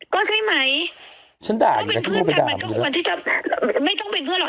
ก็ใช่ไหมฉันด่าอยู่แล้วที่เข้าไปด่าไม่ต้องเป็นเพื่อนหรอก